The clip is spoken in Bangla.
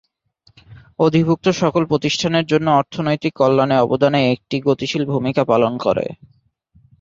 অধিভুক্ত সকল প্রতিষ্ঠানের জন্য অর্থনৈতিক কল্যাণে অবদানে একটি গতিশীল ভূমিকা পালন করে।